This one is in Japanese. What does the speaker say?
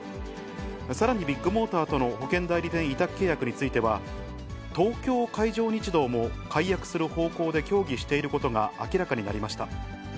さらにビッグモーターとの保険代理店委託契約については、東京海上日動も解約する方向で協議していることが明らかになりました。